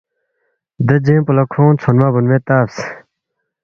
دے جِنگ پو لہ کھونگ ژھونمہ بونموے تبس